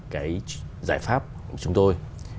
cái giải pháp của chúng tôi